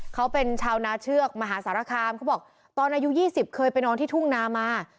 เขาเป็นชาวนาเชือกมหาสารคามเขาบอกตอนอายุ๒๐เคยไปนอนที่ทุ่งนามา